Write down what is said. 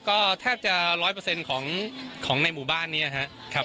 ก็แทบจะร้อยเปอร์เซ็นต์ของของในหมู่บ้านนี้นะฮะครับ